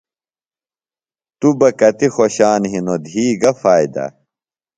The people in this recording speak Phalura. توۡ بہ کتیۡ خوشان ہِنوۡ۔ دھی گہ فائدہ ؟